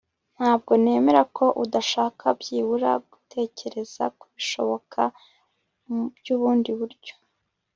Ntabwo nemera ko udashaka byibura gutekereza kubishoboka byubundi buryo